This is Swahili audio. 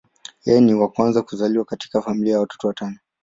Yeye ni wa kwanza kuzaliwa kutoka katika familia ya watoto watano.